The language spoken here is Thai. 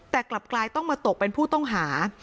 แต่กลับกลายต้องมาตกเป็นผู้ต้องหา